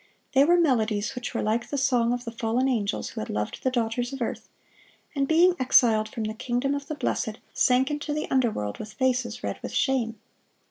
They were melodies which were like the song of the fallen angels who had loved the daughters of earth, and being exiled from the kingdom of the blessed, sank into the underworld with faces red with shame.